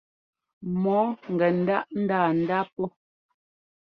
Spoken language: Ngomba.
Mɔɔ gɛ ńdáʼ ńdanda pɔ́.